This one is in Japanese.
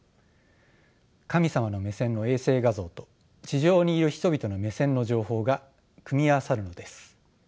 神様の目線の衛星画像と地上にいる人々の目線の情報が組み合わさるのです。